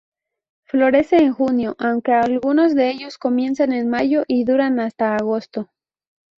Florece en junio, aunque algunos de ellos comienzan en mayo y duran hasta agosto.